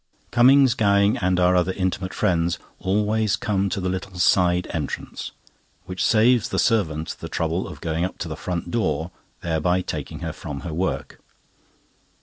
Cummings, Gowing, and our other intimate friends always come to the little side entrance, which saves the servant the trouble of going up to the front door, thereby taking her from her work.